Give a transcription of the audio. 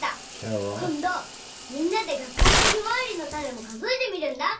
こんどみんなで学校のヒマワリのタネも数えてみるんだ。